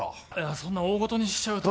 そんな大ごとにしちゃうと。